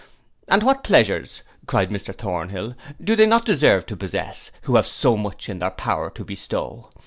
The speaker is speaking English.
—'And what pleasures,' cried Mr Thornhill, 'do they not deserve to possess, who have so much in their power to bestow?